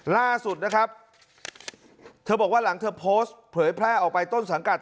ล่าสุดนะครับหลังเธอโพสต์เผื่อแพร่ออกไปต้นสังกัด